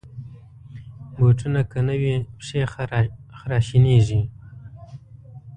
بوټونه که نه وي، پښې خراشانېږي.